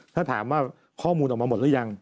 ถ้าถามว่าข้อมูลออกมาหมดหรือยัง